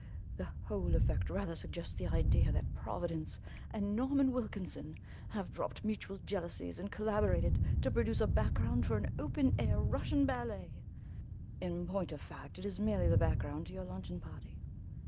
The whole effect rather suggests the idea that Providence and Norman Wilkinson have dropped mutual jealousies and collaborated to produce a background for an open air Russian Ballet; in point of fact, it is merely the background to your luncheon party.